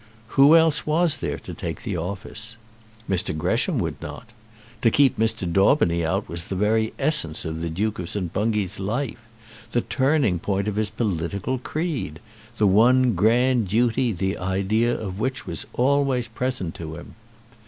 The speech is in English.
Who else was there to take the office? Mr. Gresham would not. To keep Mr. Daubeny out was the very essence of the Duke of St. Bungay's life, the turning point of his political creed, the one grand duty the idea of which was always present to him.